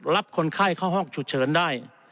รับคนไข้เข้าห้องฉุกเฉินได้